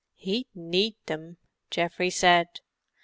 "He'd need them," Geoffrey said.